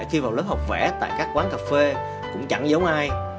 khi vào lớp học vẽ tại các quán cà phê cũng chẳng giống ai